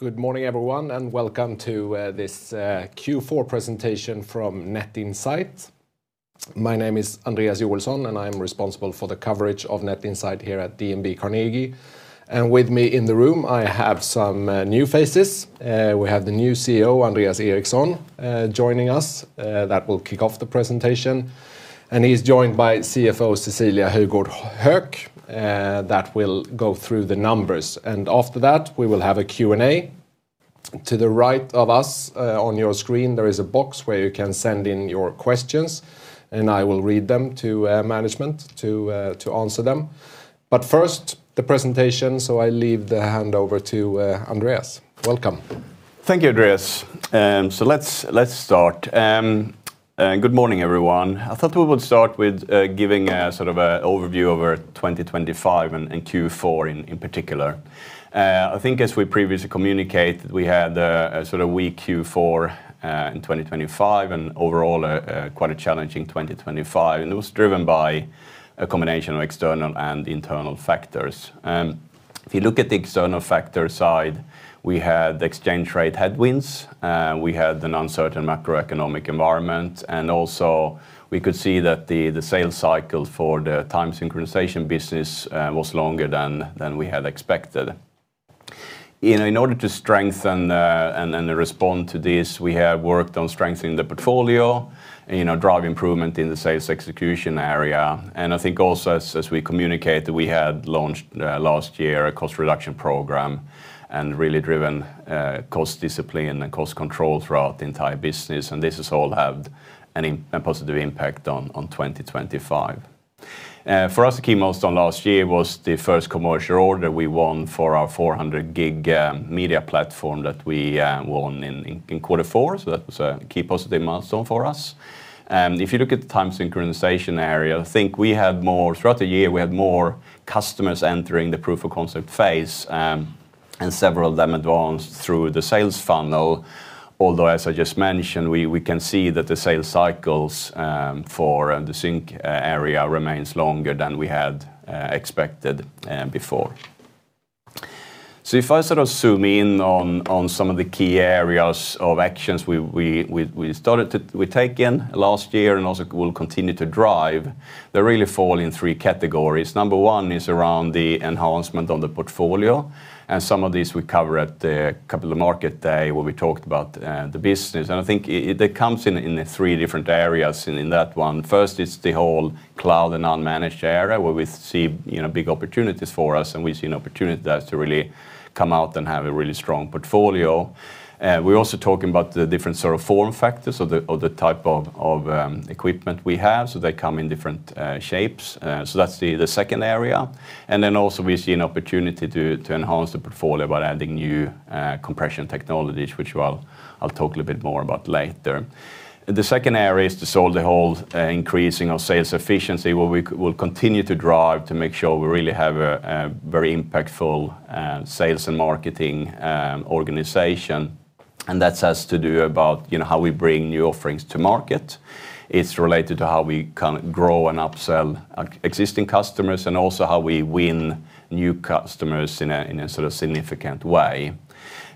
Good morning everyone and welcome to this Q4 presentation from Net Insight. My name is Andreas Joelsson and I'm responsible for the coverage of Net Insight here at DNB Carnegie. With me in the room I have some new faces. We have the new CEO Andreas Eriksson joining us that will kick off the presentation. He's joined by CFO Cecilia Höjgård Höök that will go through the numbers. After that we will have a Q&A. To the right of us on your screen there is a box where you can send in your questions and I will read them to management to answer them. First the presentation so I leave the hand over to Andreas. Welcome. Thank you, Andreas. So let's start. Good morning, everyone. I thought we would start with giving a sort of an overview over 2025 and Q4 in particular. I think as we previously communicated, we had a sort of weak Q4 in 2025 and overall quite a challenging 2025, and it was driven by a combination of external and internal factors. If you look at the external factor side, we had exchange rate headwinds. We had an uncertain macroeconomic environment, and also we could see that the sales cycle for the time synchronization business was longer than we had expected. In order to strengthen and respond to this, we have worked on strengthening the portfolio, drive improvement in the sales execution area. I think also as we communicated we had launched last year a cost reduction program and really driven cost discipline and cost control throughout the entire business and this has all had a positive impact on 2025. For us the key milestone last year was the first commercial order we won for our 400G media platform that we won in quarter four so that was a key positive milestone for us. If you look at the time synchronization area I think we had more throughout the year we had more customers entering the proof of concept phase and several of them advanced through the sales funnel. Although as I just mentioned we can see that the sales cycles for the sync area remains longer than we had expected before. So if I sort of zoom in on some of the key areas of actions we started to take in last year and also will continue to drive, they really fall in three categories. Number 1 is around the enhancement on the portfolio, and some of these we cover at the Capital Markets Day where we talked about the business. And I think it comes in three different areas in that one. First, it's the whole cloud and unmanaged area where we see big opportunities for us, and we see an opportunity there to really come out and have a really strong portfolio. We're also talking about the different sort of form factors of the type of equipment we have, so they come in different shapes. So that's the second area. And then also we see an opportunity to enhance the portfolio by adding new compression technologies which I'll talk a little bit more about later. The second area is to solve the whole increasing of sales efficiency where we will continue to drive to make sure we really have a very impactful sales and marketing organization. And that has to do about how we bring new offerings to market. It's related to how we kind of grow and upsell existing customers and also how we win new customers in a sort of significant way.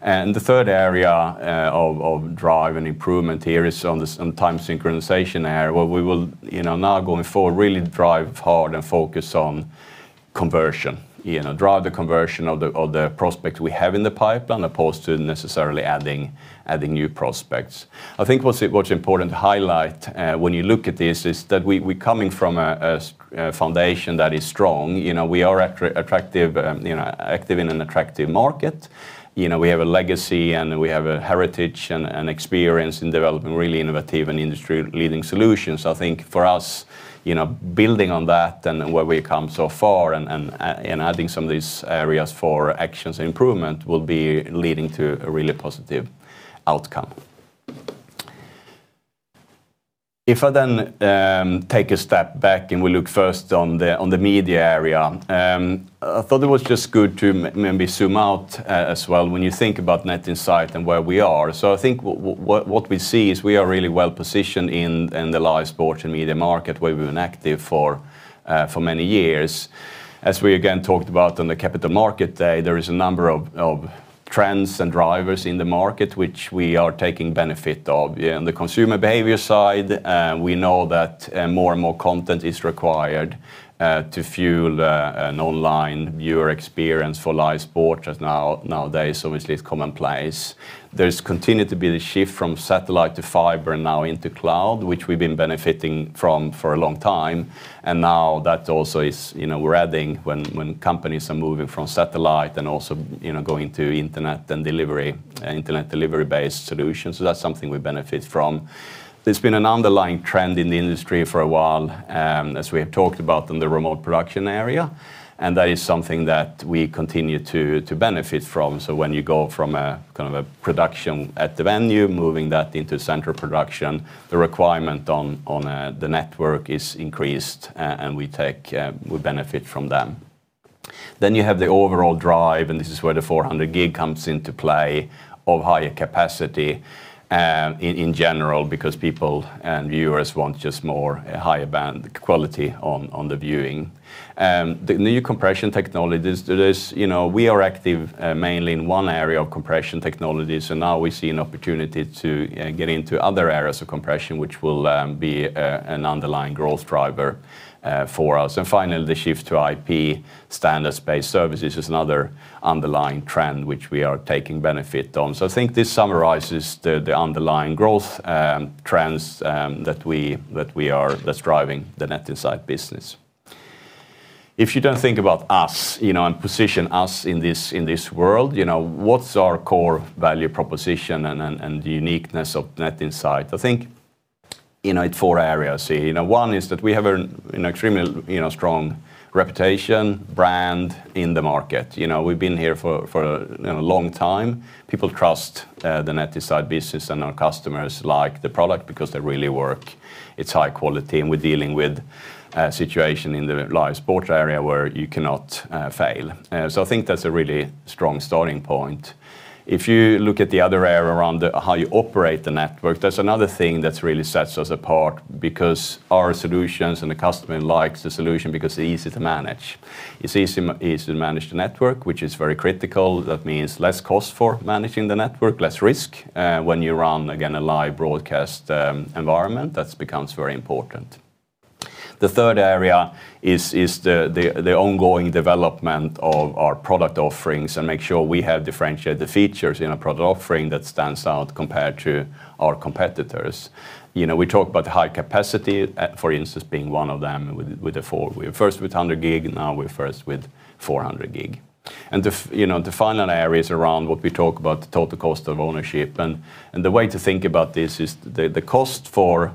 And the third area of drive and improvement here is on the time synchronization area where we will now going forward really drive hard and focus on conversion. Drive the conversion of the prospects we have in the pipeline opposed to necessarily adding new prospects. I think what's important to highlight when you look at this is that we're coming from a foundation that is strong. We are active in an attractive market. We have a legacy and we have a heritage and experience in developing really innovative and industry-leading solutions. I think for us building on that and where we've come so far and adding some of these areas for actions and improvement will be leading to a really positive outcome. If I then take a step back and we look first on the media area. I thought it was just good to maybe zoom out as well when you think about Net Insight and where we are. So I think what we see is we are really well positioned in the live sports and media market where we've been active for many years. As we again talked about on the Capital Markets Day, there is a number of trends and drivers in the market which we are taking benefit of. On the consumer behavior side, we know that more and more content is required to fuel an online viewer experience for live sports as nowadays obviously it's commonplace. There's continued to be the shift from satellite to fiber now into cloud which we've been benefiting from for a long time. And now that also is we're adding when companies are moving from satellite and also going to internet and delivery internet delivery-based solutions. So that's something we benefit from. There's been an underlying trend in the industry for a while as we have talked about in the remote production area. And that is something that we continue to benefit from. So when you go from kind of a production at the venue moving that into central production the requirement on the network is increased and we benefit from them. Then you have the overall drive and this is where the 400G comes into play of higher capacity in general because people and viewers want just more higher quality on the viewing. The new compression technologies we are active mainly in one area of compression technologies and now we see an opportunity to get into other areas of compression which will be an underlying growth driver for us. And finally the shift to IP standards-based services is another underlying trend which we are taking benefit on. So I think this summarizes the underlying growth trends that we are that's driving the Net Insight business. If you don't think about us and position us in this world, what's our core value proposition and the uniqueness of Net Insight. I think it's four areas here. One is that we have an extremely strong reputation, brand in the market. We've been here for a long time. People trust the Net Insight business and our customers like the product because they really work. It's high quality and we're dealing with a situation in the live sports area where you cannot fail. So I think that's a really strong starting point. If you look at the other area around how you operate the network, there's another thing that really sets us apart because our solutions and the customer likes the solution because it's easy to manage. It's easy to manage the network, which is very critical. That means less cost for managing the network, less risk when you run again a live broadcast environment that becomes very important. The third area is the ongoing development of our product offerings and make sure we have differentiated features in our product offering that stands out compared to our competitors. We talk about high capacity for instance being one of them with the 400G. We were first with 100G. Now we're first with 400G. And the final area is around what we talk about the total cost of ownership. And the way to think about this is the cost for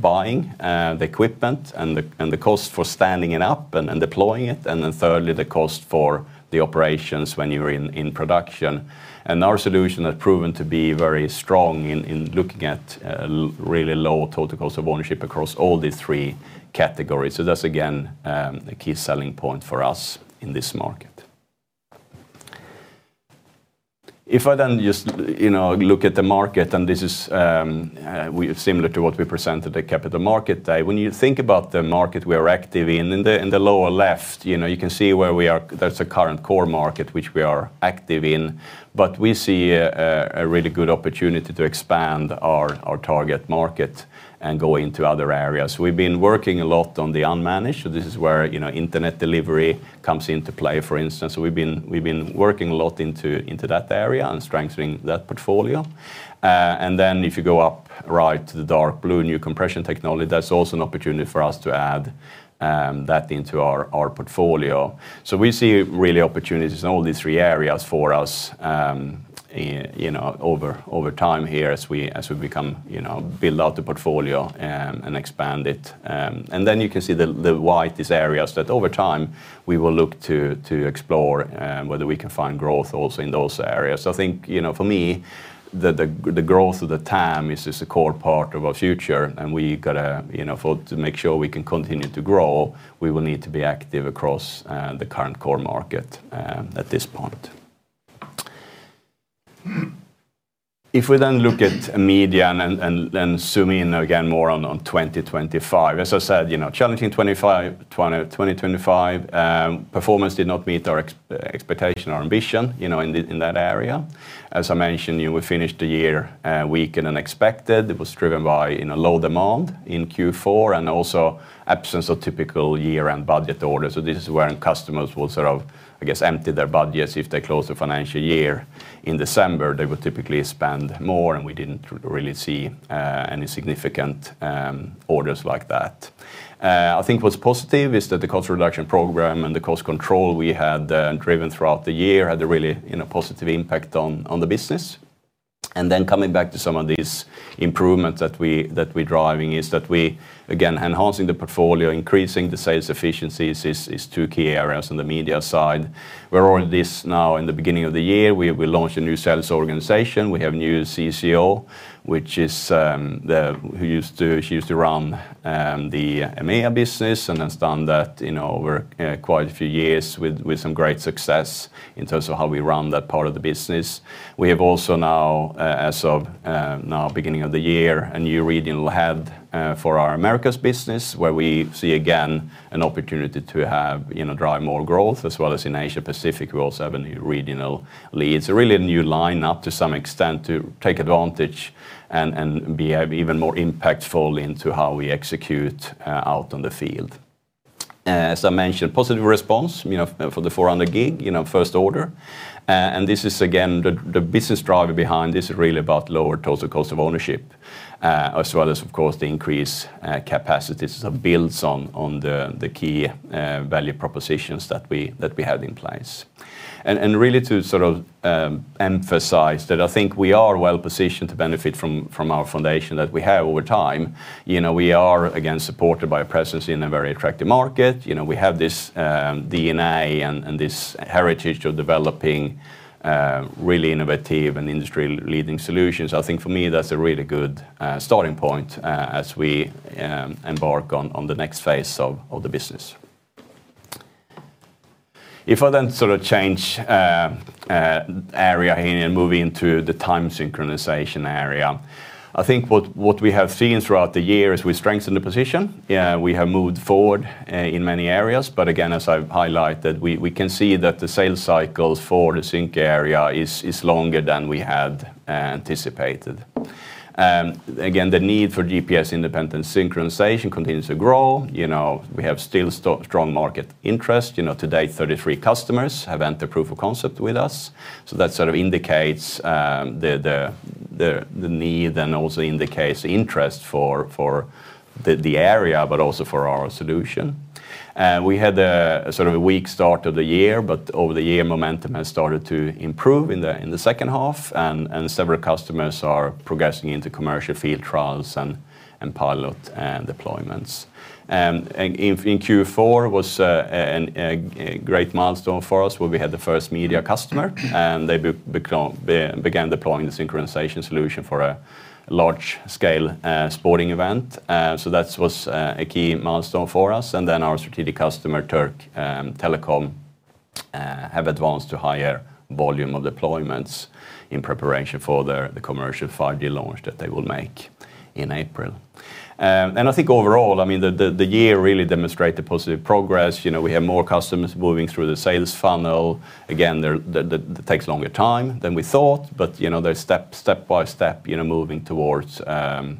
buying the equipment and the cost for standing it up and deploying it. And then thirdly the cost for the operations when you're in production. Our solution has proven to be very strong in looking at really low total cost of ownership across all these three categories. That's again a key selling point for us in this market. If I just look at the market and this is similar to what we presented at Capital Markets Day. When you think about the market we are active in in the lower left you can see where we are that's the current core market which we are active in. We see a really good opportunity to expand our target market and go into other areas. We've been working a lot on the unmanaged. This is where internet delivery comes into play for instance. We've been working a lot into that area and strengthening that portfolio. And then if you go up right to the dark blue new compression technology that's also an opportunity for us to add that into our portfolio. So we see really opportunities in all these three areas for us over time here as we build out the portfolio and expand it. And then you can see the white areas that over time we will look to explore whether we can find growth also in those areas. So I think for me the growth of the TAM is a core part of our future and we've got to make sure we can continue to grow. We will need to be active across the current core market at this point. If we then look at media and then zoom in again more on 2025. As I said, challenging 2025. Performance did not meet our expectation or ambition in that area. As I mentioned, we finished the year weaker than expected. It was driven by low demand in Q4 and also absence of typical year-end budget orders. So this is where customers will sort of, I guess, empty their budgets if they close the financial year in December. They would typically spend more, and we didn't really see any significant orders like that. I think what's positive is that the cost reduction program and the cost control we had driven throughout the year had a really positive impact on the business. And then coming back to some of these improvements that we're driving is that we again enhancing the portfolio increasing the sales efficiencies is two key areas on the media side. We're already this now in the beginning of the year. We launched a new sales organization. We have a new CCO, who used to—she used to run the EMEA business and then handed that over quite a few years with some great success in terms of how we run that part of the business. We have also now, as of now, beginning of the year, a new regional head for our Americas business where we see again an opportunity to drive more growth as well as in Asia Pacific we also have a new regional lead. It's really a new lineup to some extent to take advantage and have even more impact fully into how we execute out on the field. As I mentioned, positive response for the 400G first order. And this is again the business driver behind this is really about lower total cost of ownership as well as of course the increase capacities of builds on the key value propositions that we had in place. And really to sort of emphasize that, I think we are well positioned to benefit from our foundation that we have over time. We are again supported by a presence in a very attractive market. We have this DNA and this heritage of developing really innovative and industry-leading solutions. I think for me that's a really good starting point as we embark on the next phase of the business. If I then sort of change area here and move into the time synchronization area. I think what we have seen throughout the year is we strengthen the position. We have moved forward in many areas. Again as I've highlighted we can see that the sales cycles for the sync area is longer than we had anticipated. Again the need for GPS-independent synchronization continues to grow. We have still strong market interest. To date 33 customers have entered proof of concept with us. So that sort of indicates the need and also indicates the interest for the area but also for our solution. We had a sort of a weak start of the year but over the year momentum has started to improve in the second half and several customers are progressing into commercial field trials and pilot deployments. In Q4 was a great milestone for us where we had the first media customer and they began deploying the synchronization solution for a large-scale sporting event. So that was a key milestone for us. And then our strategic customer Türk Telekom have advanced to higher volume of deployments in preparation for the commercial 5G launch that they will make in April. And I think overall I mean the year really demonstrated positive progress. We have more customers moving through the sales funnel. Again it takes longer time than we thought but they're step by step moving towards the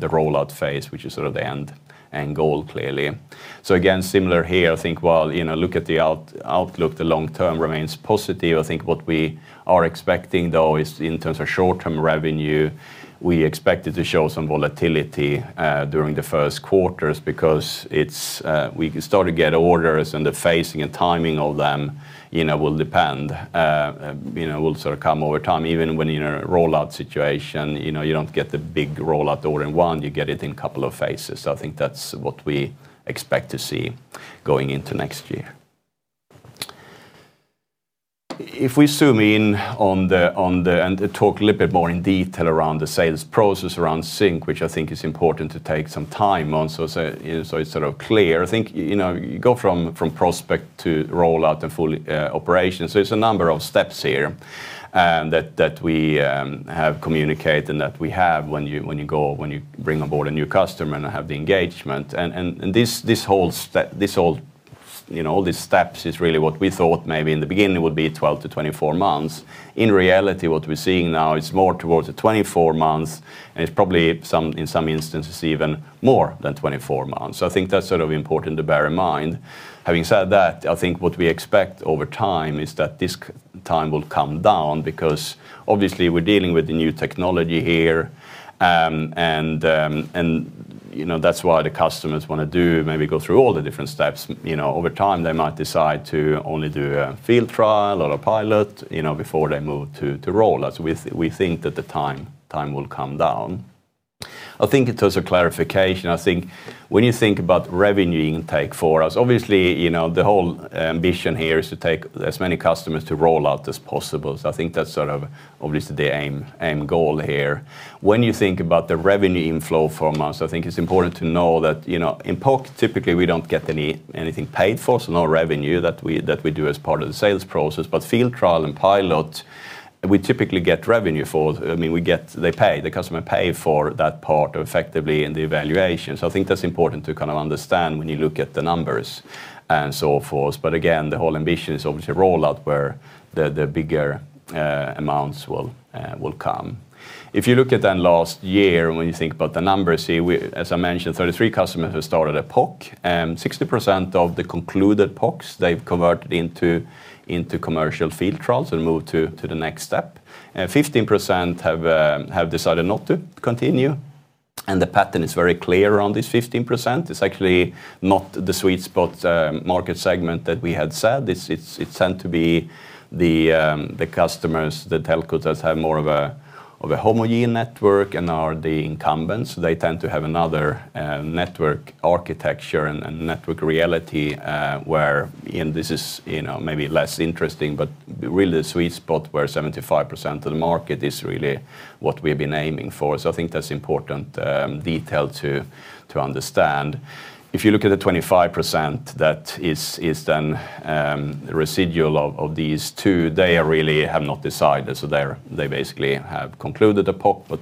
rollout phase which is sort of the end goal clearly. So again similar here I think while look at the outlook the long term remains positive. I think what we are expecting though is in terms of short-term revenue we expect it to show some volatility during the first quarters because we start to get orders and the phasing and timing of them will depend sort of come over time. Even when in a rollout situation you don't get the big rollout order in one. You get it in a couple of phases. So I think that's what we expect to see going into next year. If we zoom in on the and talk a little bit more in detail around the sales process around sync which I think is important to take some time on so it's sort of clear. I think you go from prospect to rollout and full operation. So it's a number of steps here that we have communicated and that we have when you go when you bring on board a new customer and have the engagement. And this holds all these steps is really what we thought maybe in the beginning it would be 12-24 months. In reality what we're seeing now is more towards the 24 months and it's probably in some instances even more than 24 months. So I think that's sort of important to bear in mind. Having said that I think what we expect over time is that this time will come down because obviously we're dealing with the new technology here and that's why the customers want to do maybe go through all the different steps. Over time they might decide to only do a field trial or a pilot before they move to rollout. So we think that the time will come down. I think it was a clarification. I think when you think about revenue intake for us obviously the whole ambition here is to take as many customers to rollout as possible. So I think that's sort of obviously the aim goal here. When you think about the revenue inflow for us, I think it's important to know that in POC typically we don't get anything paid for, so no revenue that we do as part of the sales process. But field trial and pilot we typically get revenue for. I mean we get they pay the customer pay for that part effectively in the evaluation. So I think that's important to kind of understand when you look at the numbers and so forth. But again the whole ambition is obviously rollout where the bigger amounts will come. If you look at then last year when you think about the numbers here, as I mentioned, 33 customers have started a POC. 60% of the concluded POCs they've converted into commercial field trials and moved to the next step. 15% have decided not to continue. And the pattern is very clear around this 15%. It's actually not the sweet spot market segment that we had said. It's meant to be the customers that telco does have more of a homogeneous network and are the incumbents. So they tend to have another network architecture and network reality where this is maybe less interesting but really the sweet spot where 75% of the market is really what we've been aiming for. So I think that's important detail to understand. If you look at the 25% that is then residual of these two they really have not decided. So they basically have concluded a POC but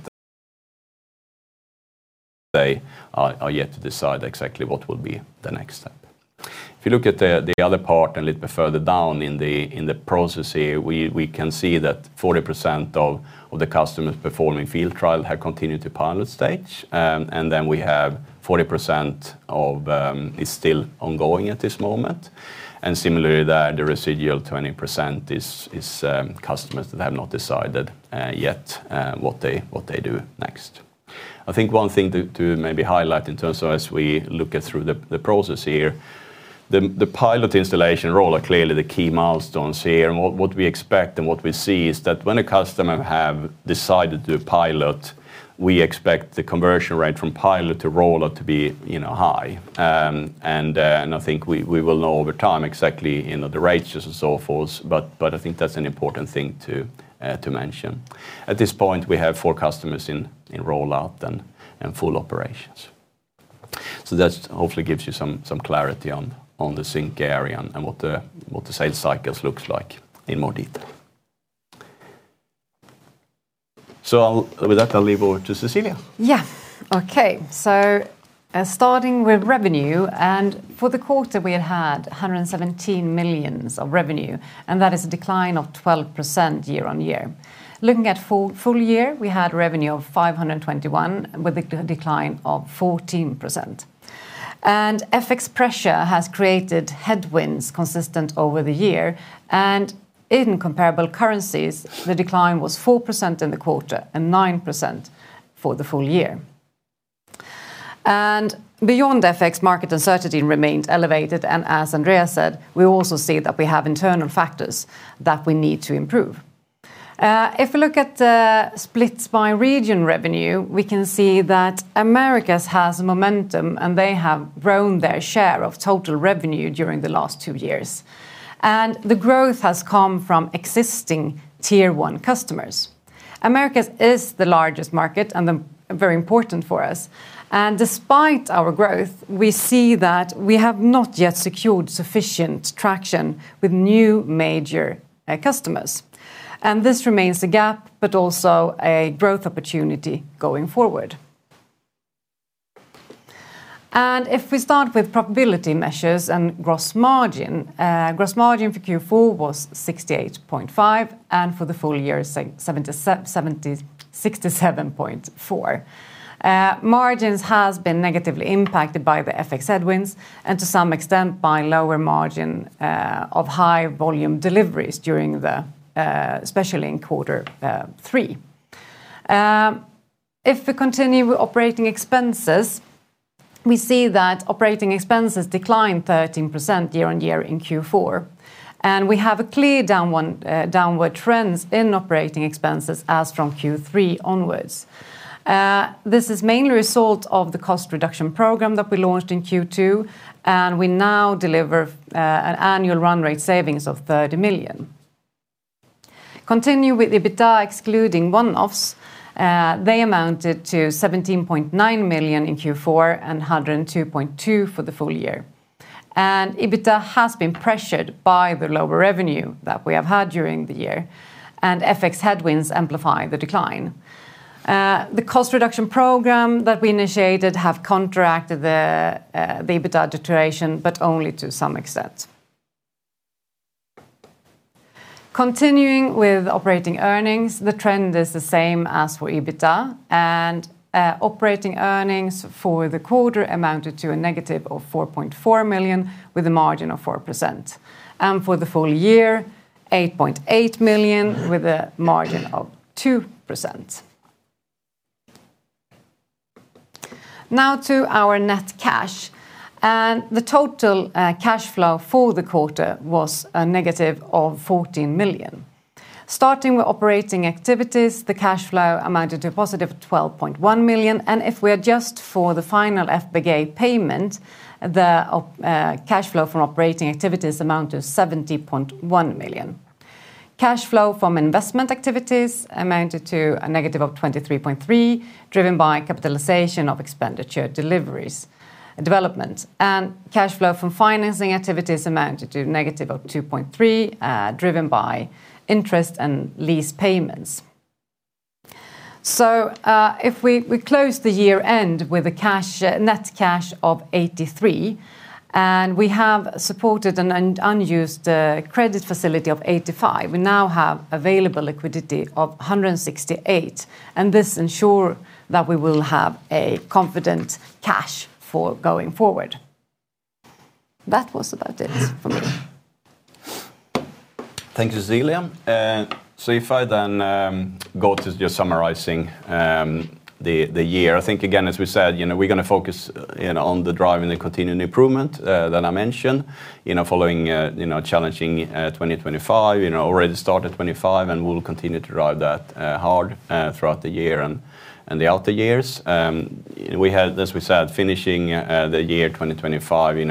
they are yet to decide exactly what will be the next step. If you look at the other part and a little bit further down in the process here, we can see that 40% of the customers performing field trial have continued to pilot stage. And then we have 40% of is still ongoing at this moment. And similarly there the residual 20% is customers that have not decided yet what they do next. I think one thing to maybe highlight in terms of as we look through the process here. The pilot installation rollout clearly the key milestones here. What we expect and what we see is that when a customer have decided to pilot we expect the conversion rate from pilot to rollout to be high. And I think we will know over time exactly the rates and so forth. But I think that's an important thing to mention. At this point we have four customers in rollout and full operations. So that hopefully gives you some clarity on the sync area and what the sales cycles looks like in more detail. So with that I'll leave over to Cecilia. Yeah. Okay. So starting with revenue and for the quarter we had had 117 million of revenue and that is a decline of 12% year-on-year. Looking at full year we had revenue of 521 million with a decline of 14%. And FX pressure has created headwinds consistent over the year and in comparable currencies the decline was 4% in the quarter and 9% for the full year. And beyond FX market uncertainty remained elevated and as Andreas said we also see that we have internal factors that we need to improve. If we look at splits by region revenue, we can see that Americas has momentum and they have grown their share of total revenue during the last two years. The growth has come from existing Tier 1 customers. Americas is the largest market and very important for us. Despite our growth we see that we have not yet secured sufficient traction with new major customers. This remains a gap but also a growth opportunity going forward. If we start with profitability measures and gross margin. Gross margin for Q4 was 68.5 and for the full year 67.4. Margins have been negatively impacted by the FX headwinds and to some extent by lower margin of high volume deliveries especially in quarter three. If we continue with operating expenses we see that operating expenses declined 13% year-on-year in Q4. We have a clear downward trend in operating expenses as from Q3 onwards. This is mainly a result of the cost reduction program that we launched in Q2 and we now deliver an annual run rate savings of 30 million. Continue with EBITDA excluding one-offs. They amounted to 17.9 million in Q4 and 102.2 million for the full year. EBITDA has been pressured by the lower revenue that we have had during the year and FX headwinds amplify the decline. The cost reduction program that we initiated have contracted the EBITDA deterioration but only to some extent. Continuing with operating earnings the trend is the same as for EBITDA and operating earnings for the quarter amounted to a negative of 4.4 million with a margin of 4%. For the full year 8.8 million with a margin of 2%. Now to our net cash. The total cash flow for the quarter was a negative 14 million. Starting with operating activities the cash flow amounted to a positive 12.1 million and if we adjust for the final FPGA payment the cash flow from operating activities amounted to 70.1 million. Cash flow from investment activities amounted to a negative 23.3 million driven by capitalization of development expenditures. Cash flow from financing activities amounted to a negative 2.3 million driven by interest and lease payments. If we close the year-end with a net cash of 83 million and we have access to an unused credit facility of 85 million we now have available liquidity of 168 million and this ensures that we will have a sufficient cash flow going forward. That was about it for me. Thank you Cecilia. If I then go to just summarizing the year. I think, again, as we said, we're going to focus on driving the continuing improvement that I mentioned following a challenging 2025. Already started 2025 and we'll continue to drive that hard throughout the year and the outer years. We had, as we said, finishing the year 2025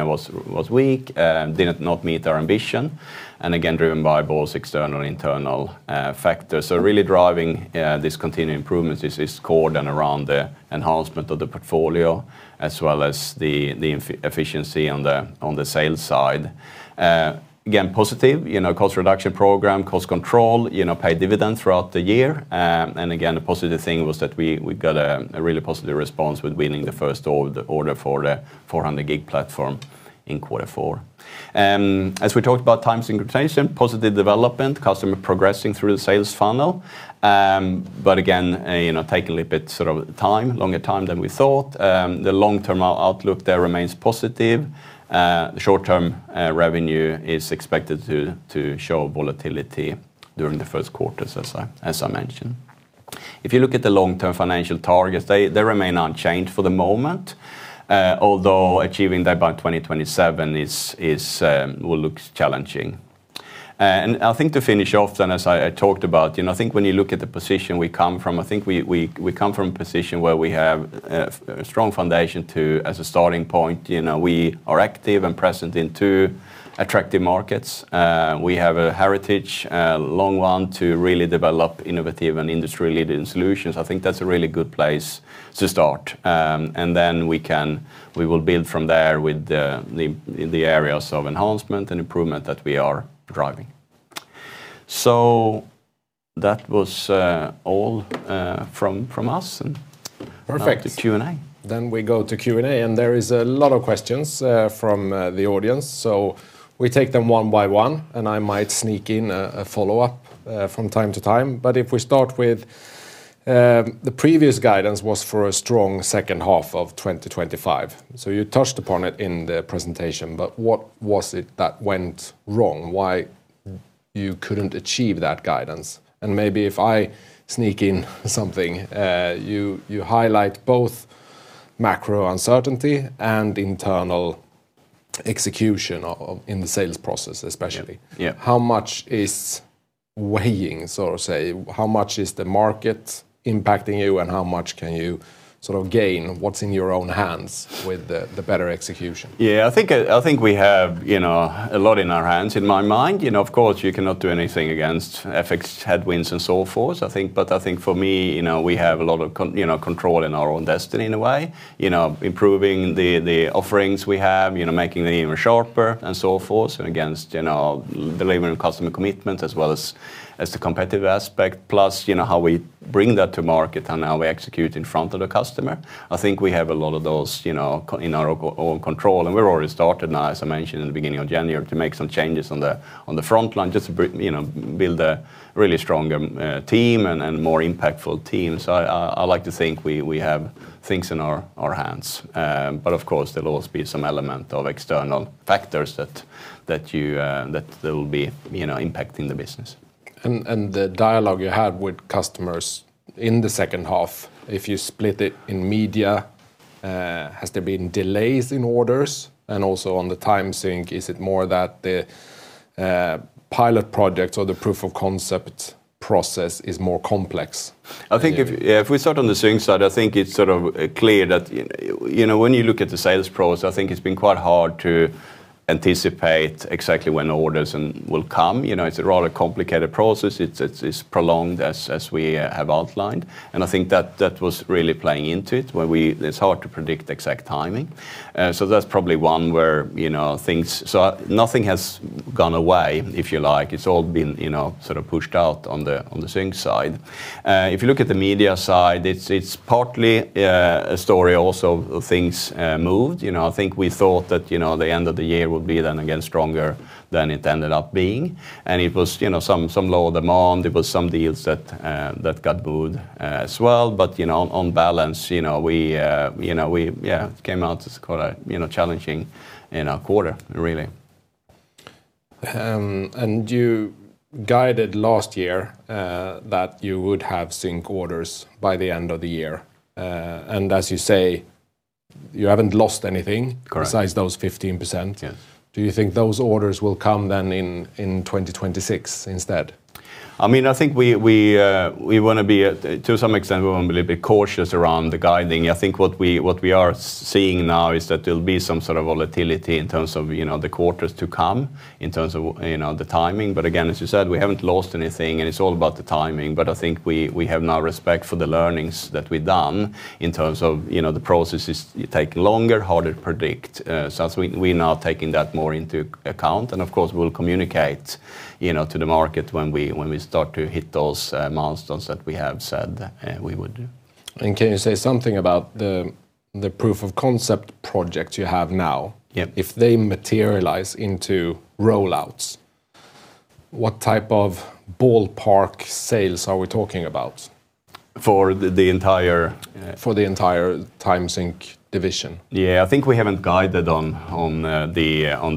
was weak. Did not meet our ambition. And again driven by both external and internal factors. So really driving this continuing improvement is core, then around the enhancement of the portfolio as well as the efficiency on the sales side. Again, positive cost reduction program cost control pay dividends throughout the year. And again, the positive thing was that we got a really positive response with winning the first order for the 400G platform in quarter four. As we talked about, time synchronization positive development customer progressing through the sales funnel. But again, taking a little bit sort of a longer time than we thought. The long-term outlook there remains positive. Short-term revenue is expected to show volatility during the first quarters, as I mentioned. If you look at the long-term financial targets, they remain unchanged for the moment, although achieving that by 2027 will look challenging. I think to finish off then, as I talked about, I think when you look at the position we come from, I think we come from a position where we have a strong foundation too, as a starting point. We are active and present in two attractive markets. We have a heritage, a long one, to really develop innovative and industry-leading solutions. I think that's a really good place to start. And then we will build from there with the areas of enhancement and improvement that we are driving. So that was all from us and now to Q&A. Then we go to Q&A and there is a lot of questions from the audience. So we take them one by one and I might sneak in a follow up from time to time. But if we start with the previous guidance was for a strong second half of 2025. So you touched upon it in the presentation but what was it that went wrong? Why you couldn't achieve that guidance. And maybe if I sneak in something you highlight both macro uncertainty and internal execution in the sales process especially. How much is weighing, so to say, how much is the market impacting you and how much can you sort of gain what's in your own hands with the better execution? Yeah. I think we have a lot in our hands in my mind. Of course you cannot do anything against FX headwinds and so forth, I think. But I think for me we have a lot of control in our own destiny in a way. Improving the offerings we have, making them even sharper and so forth against delivering customer commitments as well as the competitive aspect plus how we bring that to market and how we execute in front of the customer. I think we have a lot of those in our own control and we've already started now as I mentioned in the beginning of January to make some changes on the front line just to build a really stronger team and more impactful team. So I like to think we have things in our hands. But of course there will always be some element of external factors that you that there will be impacting the business. And the dialogue you had with customers in the second half if you split it in media has there been delays in orders and also on the time sync is it more that the pilot projects or the proof of concept process is more complex. I think if we start on the sync side, I think it's sort of clear that when you look at the sales process, I think it's been quite hard to anticipate exactly when orders will come. It's a rather complicated process. It's prolonged as we have outlined. And I think that was really playing into it when it's hard to predict exact timing. So that's probably one where things, so nothing has gone away if you like. It's all been sort of pushed out on the sync side. If you look at the media side, it's partly a story also of things moved. I think we thought that the end of the year would then again be stronger than it ended up being. And it was some lower demand. It was some deals that got pushed as well. But on balance we came out as quite a challenging quarter really. And you guided last year that you would have sync orders by the end of the year. And as you say you haven't lost anything besides those 15%. Do you think those orders will come then in 2026 instead? I mean I think we want to be to some extent we want to be a bit cautious around the guiding. I think what we are seeing now is that there'll be some sort of volatility in terms of the quarters to come in terms of the timing. But again as you said we haven't lost anything and it's all about the timing. But I think we have now respect for the learnings that we've done in terms of the process is taking longer harder to predict. So we're now taking that more into account and of course we'll communicate to the market when we start to hit those milestones that we have said we would. And can you say something about the proof of concept projects you have now? If they materialize into rollouts, what type of ballpark sales are we talking about for the entire time sync division? Yeah. I think we haven't guided on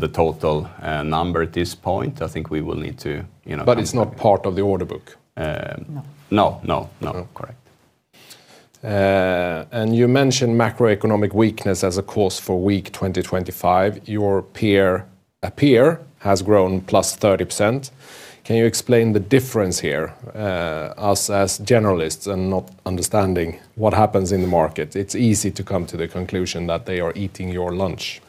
the total number at this point. I think we will need to. But it's not part of the order book. No. No. No. No. Correct. And you mentioned macroeconomic weakness as a cause for weak 2025. Your peer has grown +30%. Can you explain the difference here? Us as generalists and not understanding what happens in the market. It's easy to come to the conclusion that they are eating your lunch,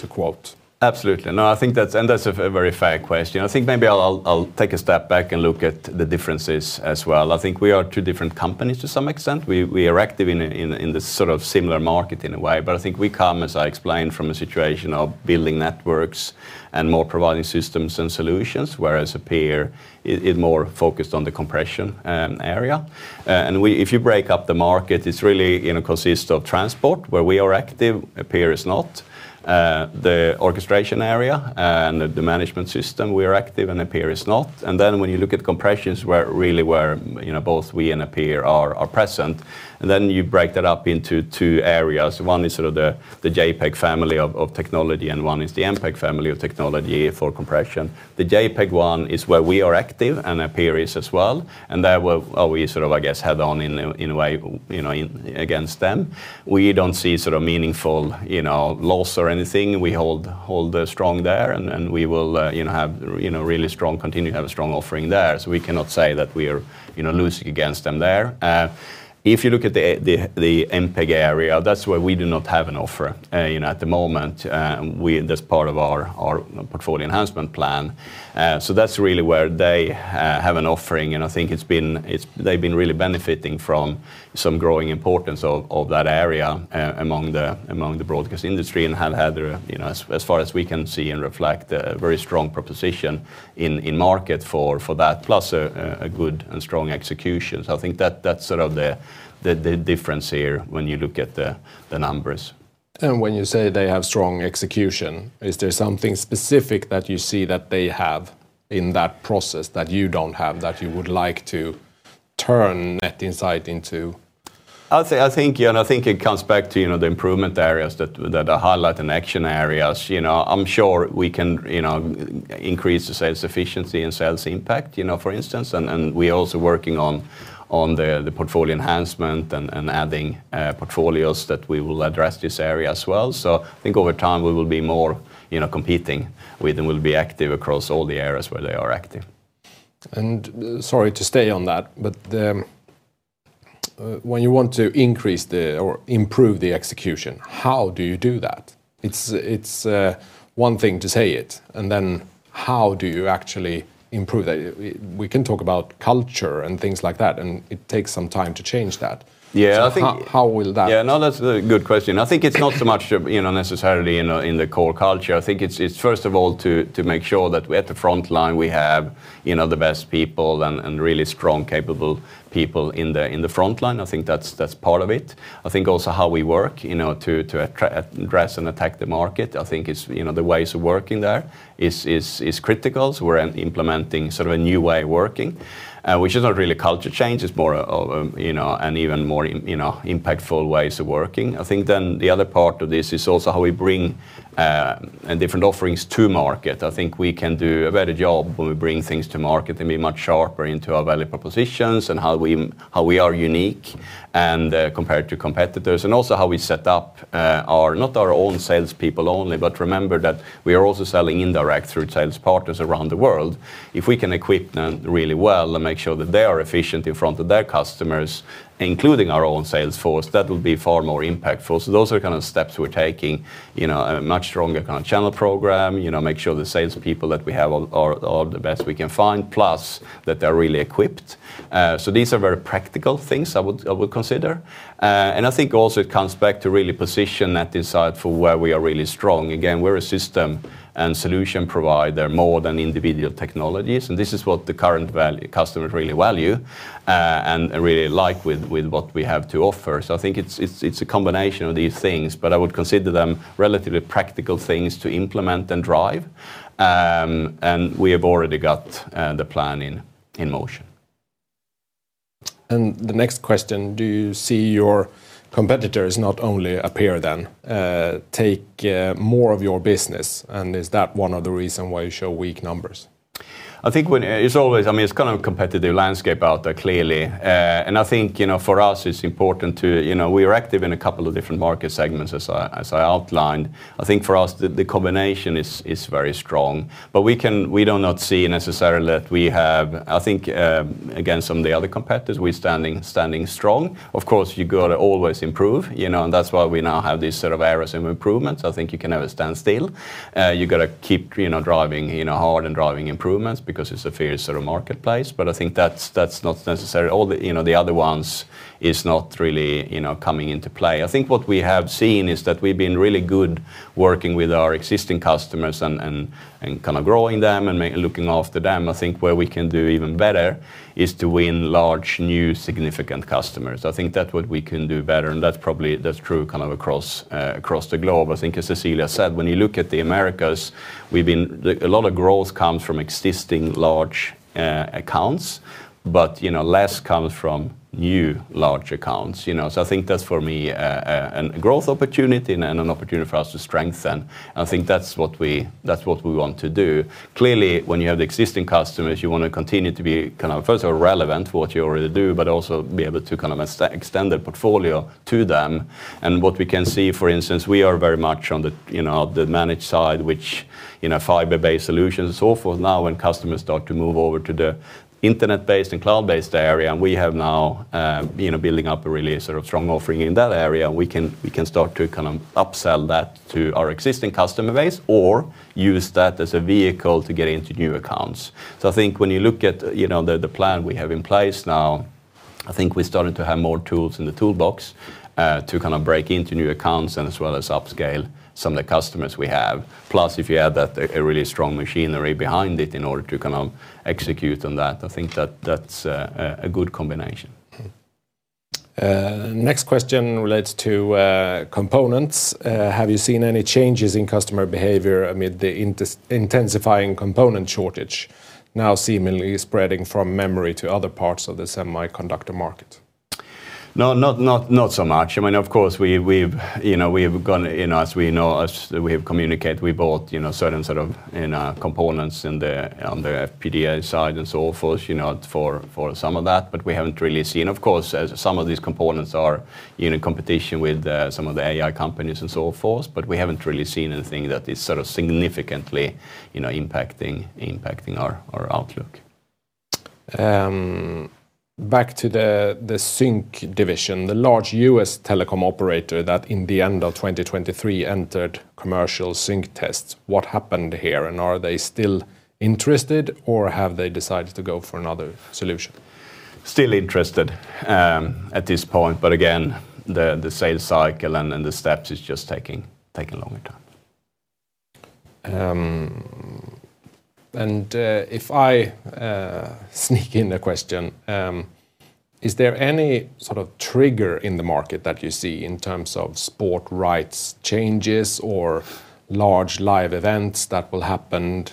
to quote. Absolutely. No. I think that's, and that's, a very fair question. I think maybe I'll take a step back and look at the differences as well. I think we are two different companies to some extent. We are active in this sort of similar market in a way. But I think we come, as I explained, from a situation of building networks and more providing systems and solutions whereas Appear is more focused on the compression area. And if you break up the market it's really consists of transport where we are active. Appear is not. The orchestration area and the management system we are active and Appear is not. And then when you look at compressions really where both we and Appear are present and then you break that up into two areas. One is sort of the JPEG family of technology and one is the MPEG family of technology for compression. The JPEG one is where we are active and Appear is as well. And there we sort of I guess head on in a way against them. We don't see sort of meaningful loss or anything. We hold strong there and we will have really strong continue to have a strong offering there. So we cannot say that we are losing against them there. If you look at the MPEG area that's where we do not have an offer at the moment. That's part of our portfolio enhancement plan. So that's really where they have an offering and I think it's been they've been really benefiting from some growing importance of that area among the broadcast industry and have had as far as we can see and reflect a very strong proposition in market for that plus a good and strong execution. So I think that's sort of the difference here when you look at the numbers. And when you say they have strong execution is there something specific that you see that they have in that process that you don't have that you would like to turn Net Insight into? I would say I think I think it comes back to the improvement areas that I highlight and action areas. I'm sure we can increase the sales efficiency and sales impact for instance. We are also working on the portfolio enhancement and adding portfolios that we will address this area as well. I think over time we will be more competing with and we'll be active across all the areas where they are active. Sorry to stay on that, but when you want to increase or improve the execution, how do you do that? It's one thing to say it, and then how do you actually improve that. We can talk about culture and things like that, and it takes some time to change that. How will that? Yeah. No. That's a good question. I think it's not so much necessarily in the core culture. I think it's first of all to make sure that at the front line we have the best people and really strong capable people in the front line. I think that's part of it. I think also how we work to address and attack the market I think is the ways of working there is critical. So we're implementing sort of a new way of working which is not really culture change. It's more of an even more impactful ways of working. I think then the other part of this is also how we bring different offerings to market. I think we can do a better job when we bring things to market and be much sharper into our value propositions and how we are unique compared to competitors and also how we set up not our own salespeople only but remember that we are also selling indirect through sales partners around the world. If we can equip them really well and make sure that they are efficient in front of their customers including our own sales force that will be far more impactful. So those are kind of steps we're taking. A much stronger kind of channel program. Make sure the salespeople that we have are the best we can find plus that they're really equipped. So these are very practical things I would consider. I think also it comes back to really position Net Insight for where we are really strong. Again we're a system and solution provider more than individual technologies and this is what the current customers really value and really like with what we have to offer. So I think it's a combination of these things but I would consider them relatively practical things to implement and drive. We have already got the plan in motion. And the next question. Do you see your competitors not only Appear then take more of your business and is that one of the reasons why you show weak numbers? I think it's always, I mean, it's kind of a competitive landscape out there, clearly. I think for us it's important to we are active in a couple of different market segments as I outlined. I think for us the combination is very strong, but we don't not see necessarily that we have I think against some of the other competitors we're standing strong. Of course you got to always improve, and that's why we now have these sort of areas of improvements. I think you can never stand still. You got to keep driving hard and driving improvements because it's a fair sort of marketplace. But I think that's not necessarily all the other ones is not really coming into play. I think what we have seen is that we've been really good working with our existing customers and kind of growing them and looking after them. I think where we can do even better is to win large new significant customers. I think that's what we can do better and that's probably true kind of across the globe. I think as Cecilia said when you look at the Americas we've seen a lot of growth comes from existing large accounts but less comes from new large accounts. So I think that's for me a growth opportunity and an opportunity for us to strengthen. I think that's what we want to do. Clearly when you have the existing customers you want to continue to be kind of first of all relevant to what you already do but also be able to kind of extend the portfolio to them. What we can see, for instance, we are very much on the managed side, which fiber-based solutions and so forth. Now when customers start to move over to the internet-based and cloud-based area and we have now building up a really sort of strong offering in that area and we can start to kind of upsell that to our existing customer base or use that as a vehicle to get into new accounts. So I think when you look at the plan we have in place now I think we're starting to have more tools in the toolbox to kind of break into new accounts and as well as upscale some of the customers we have. Plus if you add that a really strong machinery behind it in order to kind of execute on that I think that's a good combination. Next question relates to components. Have you seen any changes in customer behavior amid the intensifying component shortage now seemingly spreading from memory to other parts of the semiconductor market? No. Not so much. I mean, of course, we've gone, as we know, as we have communicated, we bought certain sort of components on the FPGA side and so forth for some of that, but we haven't really seen, of course, some of these components are in competition with some of the AI companies and so forth, but we haven't really seen anything that is sort of significantly impacting our outlook. Back to the sync division. The large U.S. telecom operator that in the end of 2023 entered commercial sync tests. What happened here and are they still interested or have they decided to go for another solution? Still interested at this point, but again the sales cycle and the steps is just taking longer time. And if I sneak in a question. Is there any sort of trigger in the market that you see in terms of sports rights changes or large live events that will happen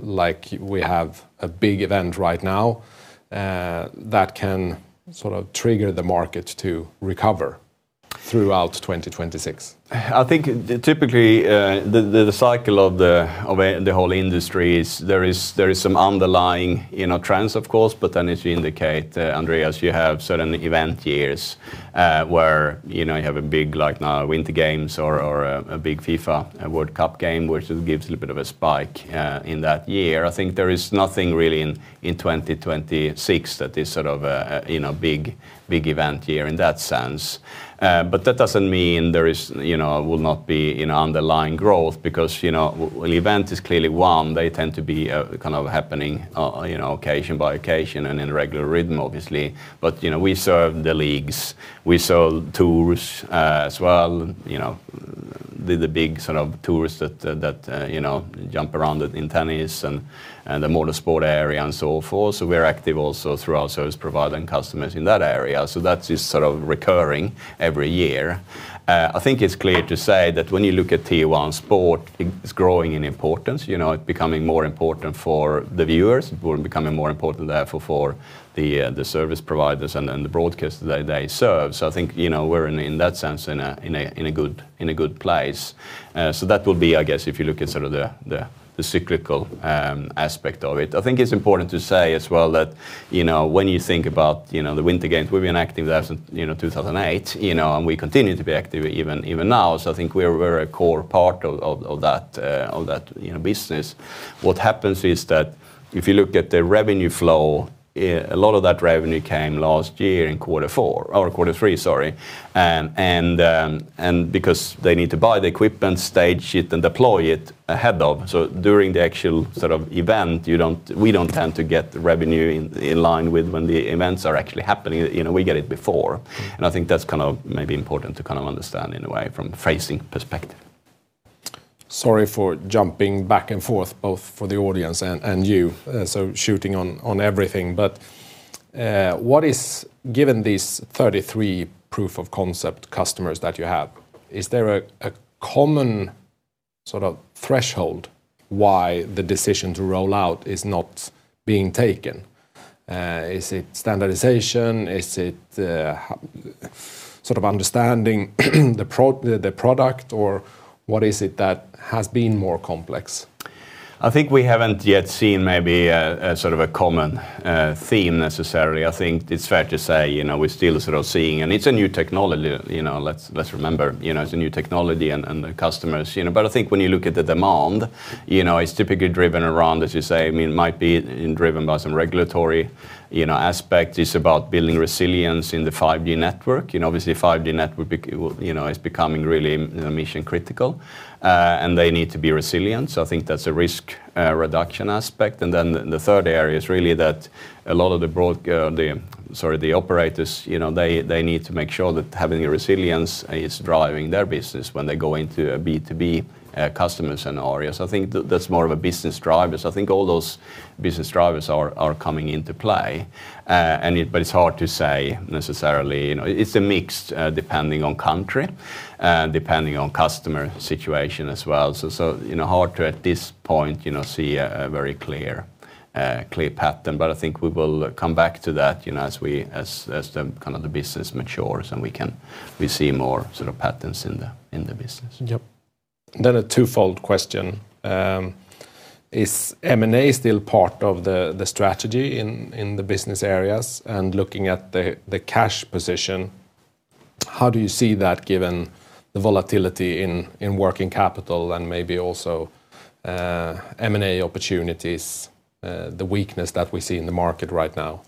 like we have a big event right now that can sort of trigger the market to recover throughout 2026? I think typically the cycle of the whole industry is there is some underlying trends of course, but then as you indicate Andreas you have certain event years where you have a big like now Winter Games or a big FIFA World Cup game which gives a little bit of a spike in that year. I think there is nothing really in 2026 that is sort of a big event year in that sense. But that doesn't mean there will not be underlying growth because an event is clearly one. They tend to be kind of happening occasion by occasion and in a regular rhythm obviously. But we serve the leagues. We sold tours as well. Did the big sort of tours that jump around in tennis and the motorsport area and so forth. So we're active also throughout service provider and customers in that area. So that is sort of recurring every year. I think it's clear to say that when you look at Tier 1 sport it's growing in importance. It's becoming more important for the viewers. It's becoming more important therefore for the service providers and the broadcast that they serve. So I think we're in that sense in a good place. So that will be I guess if you look at sort of the cyclical aspect of it. I think it's important to say as well that when you think about the Winter Games we've been active there since 2008 and we continue to be active even now. So I think we're a core part of that business. What happens is that if you look at the revenue flow a lot of that revenue came last year in quarter four or quarter three sorry. And because they need to buy the equipment stage it and deploy it ahead of so during the actual sort of event we don't tend to get revenue in line with when the events are actually happening. We get it before. And I think that's kind of maybe important to kind of understand in a way from forecasting perspective. Sorry for jumping back and forth both for the audience and you so shooting on everything but what is given these 33 Proof of Concept customers that you have. Is there a common sort of threshold why the decision to roll out is not being taken? Is it standardization? Is it sort of understanding the product or what is it that has been more complex? I think we haven't yet seen maybe a sort of a common theme necessarily. I think it's fair to say we're still sort of seeing and it's a new technology. Let's remember it's a new technology and the customers. But I think when you look at the demand it's typically driven around as you say it might be driven by some regulatory aspects. It's about building resilience in the 5G network. Obviously 5G network is becoming really mission critical and they need to be resilient. So I think that's a risk reduction aspect. And then the third area is really that a lot of the operators they need to make sure that having resilience is driving their business when they go into B2B customers and areas. I think that's more of a business driver. So I think all those business drivers are coming into play but it's hard to say necessarily. It's a mix depending on country and depending on customer situation as well. So hard to at this point see a very clear pattern but I think we will come back to that as the kind of the business matures and we can see more sort of patterns in the business. Yep. Then a twofold question. Is M&A still part of the strategy in the business areas and looking at the cash position. How do you see that given the volatility in working capital and maybe also M&A opportunities, the weakness that we see in the market right now?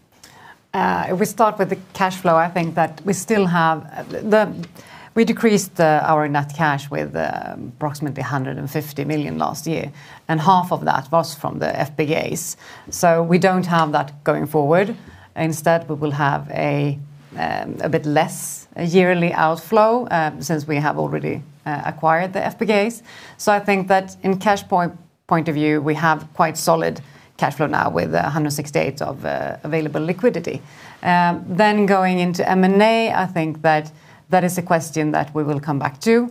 If we start with the cash flow, I think that we still have; we decreased our net cash with approximately 150 million last year and half of that was from the FPGAs. So we don't have that going forward. Instead we will have a bit less yearly outflow since we have already acquired the FPGAs. So I think that in cash point of view we have quite solid cash flow now with 168 million of available liquidity. Then going into M&A, I think that that is a question that we will come back to.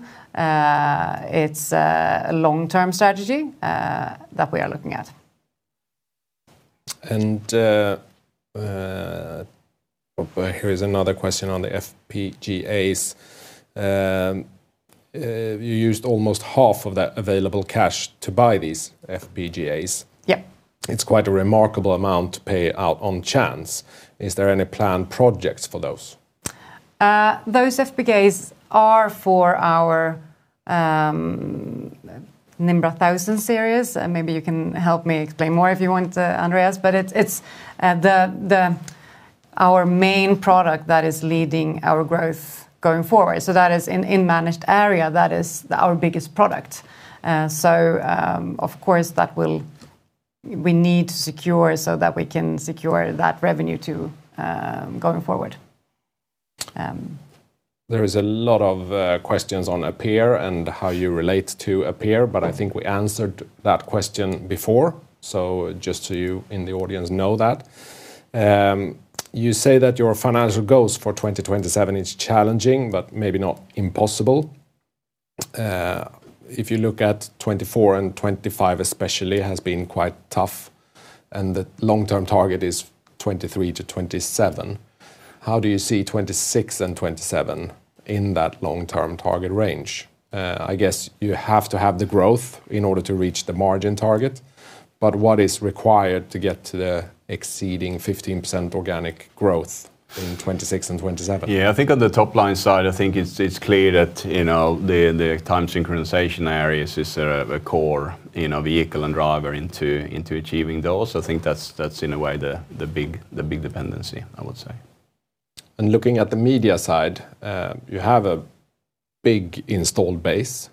It's a long term strategy that we are looking at. And here is another question on the FPGAs. You used almost half of that available cash to buy these FPGAs. It's quite a remarkable amount to pay out on chance. Is there any planned projects for those? Those FPGAs are for our Nimbra 1000 series. Maybe you can help me explain more if you want Andreas, but it's our main product that is leading our growth going forward. So that is in managed area that is our biggest product. So of course that will we need to secure so that we can secure that revenue too going forward. There is a lot of questions on Appear and how you relate to Appear, but I think we answered that question before. So just so you in the audience know that. You say that your financial goals for 2027 is challenging but maybe not impossible. If you look at 2024 and 2025 especially has been quite tough and the long-term target is 2023 to 2027. How do you see 2026 and 2027 in that long-term target range? I guess you have to have the growth in order to reach the margin target, but what is required to get to the exceeding 15% organic growth in 2026 and 2027? Yeah. I think on the top-line side, I think it's clear that the time synchronization areas is a core vehicle and driver into achieving those. I think that's in a way the big dependency I would say. And looking at the media side, you have a big installed base.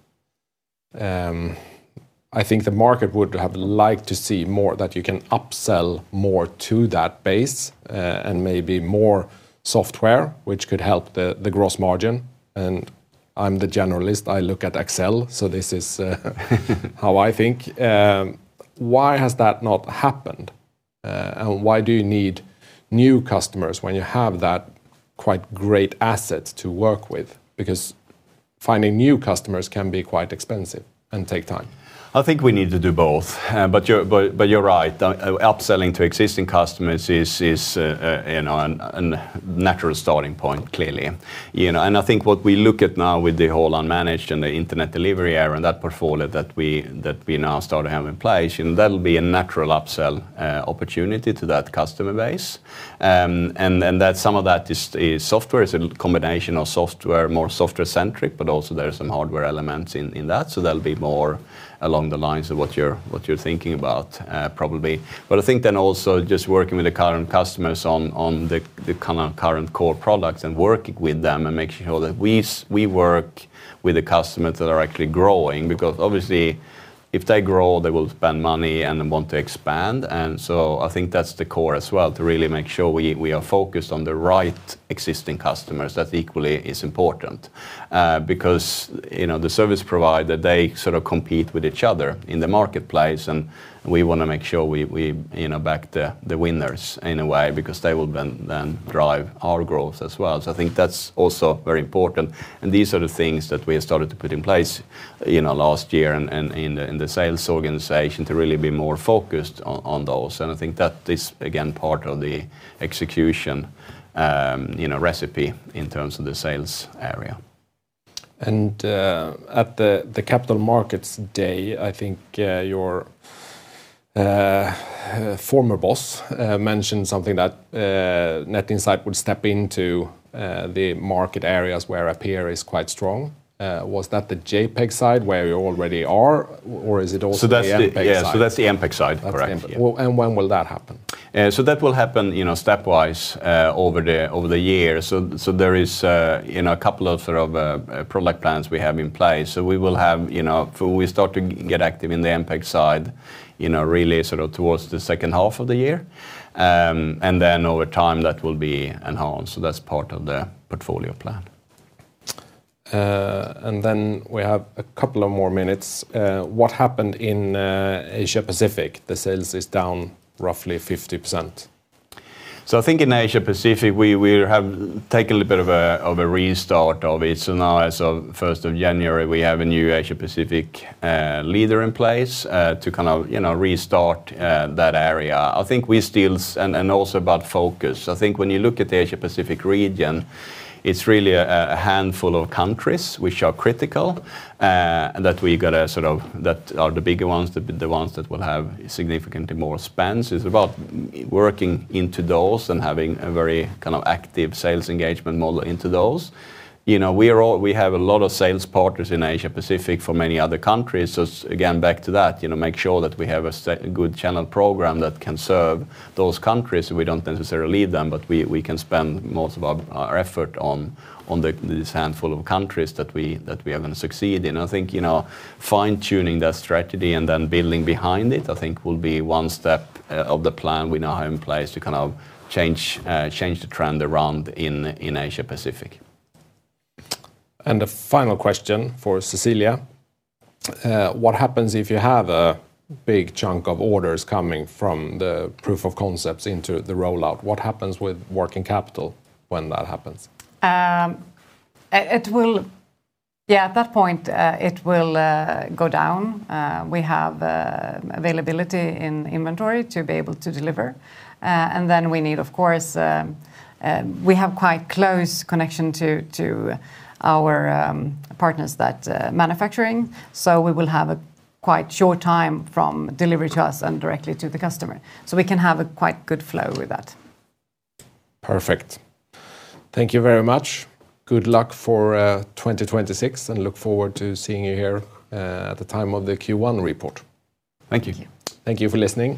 I think the market would have liked to see more that you can upsell more to that base and maybe more software which could help the gross margin. And I'm the generalist. I look at Excel, so this is how I think. Why has that not happened and why do you need new customers when you have that quite great assets to work with because finding new customers can be quite expensive and take time? I think we need to do both but you're right. Upselling to existing customers is a natural starting point clearly. I think what we look at now with the whole unmanaged and the internet delivery area and that portfolio that we now start to have in place that will be a natural upsell opportunity to that customer base. Some of that is software. It's a combination of software more software centric but also there are some hardware elements in that. So there'll be more along the lines of what you're thinking about probably. I think then also just working with the current customers on the kind of current core products and working with them and making sure that we work with the customers that are actually growing because obviously if they grow they will spend money and want to expand. So I think that's the core as well to really make sure we are focused on the right existing customers. That equally is important because the service provider they sort of compete with each other in the marketplace and we want to make sure we back the winners in a way because they will then drive our growth as well. I think that's also very important. These are the things that we started to put in place last year in the sales organization to really be more focused on those. I think that is again part of the execution recipe in terms of the sales area. And at the capital markets day I think your former boss mentioned something that Net Insight would step into the market areas where Appear is quite strong. Was that the JPEG side where you already are or is it also? So that's the MPEG side. Correct. And when will that happen? So that will happen stepwise over the year. So there is a couple of sort of product plans we have in place. So we will have we start to get active in the MPEG side really sort of towards the second half of the year. And then over time that will be enhanced. So that's part of the portfolio plan. And then we have a couple of more minutes. What happened in Asia Pacific? The sales is down roughly 50%. So I think in Asia Pacific we have taken a little bit of a restart of it. So now as of 1st of January we have a new Asia Pacific leader in place to kind of restart that area. I think we still and also about focus. I think when you look at the Asia Pacific region it's really a handful of countries which are critical that we got to sort of that are the bigger ones the ones that will have significantly more spends. It's about working into those and having a very kind of active sales engagement model into those. We have a lot of sales partners in Asia Pacific for many other countries. So again back to that make sure that we have a good channel program that can serve those countries. We don't necessarily leave them but we can spend most of our effort on this handful of countries that we are going to succeed in. I think fine tuning that strategy and then building behind it I think will be one step of the plan we now have in place to kind of change the trend around in Asia Pacific. And a final question for Cecilia. What happens if you have a big chunk of orders coming from the proof of concepts into the rollout? What happens with working capital when that happens? It will yeah at that point it will go down. We have availability in inventory to be able to deliver. And then we need of course we have quite close connection to our partners that manufacturing. So we will have a quite short time from delivery to us and directly to the customer. So we can have a quite good flow with that. Perfect. Thank you very much. Good luck for 2026 and look forward to seeing you here at the time of the Q1 report. Thank you. Thank you for listening.